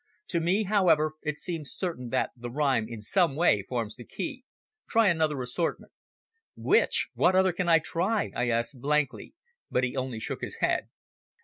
"To me, however, it seems certain that the rhyme in some way forms the key. Try another assortment." "Which? What other can I try?" I asked blankly, but he only shook his head.